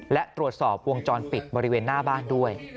และตรวจสอบวงจรปิดบริเวณหน้าบ้านด้วย